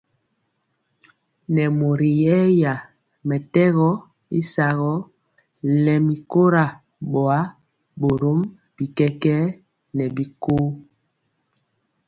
Nɛ mori yɛya mɛtɛgɔ y sagɔ lɛmi kora boa, borom bi kɛkɛɛ nɛ bi kɔ.